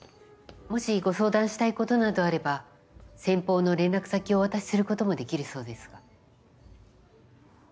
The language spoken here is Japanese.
もしご相談したいことなどあれば先方の連絡先をお渡しすることもできるそうですが。